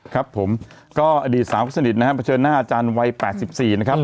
ครับผมก็อดีตสาวสนิทนะครับเผชิญหน้าอาจารย์วัย๘๔นะครับ